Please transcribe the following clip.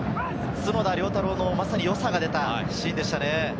角田涼太朗の良さが出たシーンでしたね。